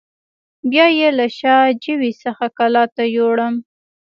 بیا یې له شا جوی څخه کلات ته یووړم.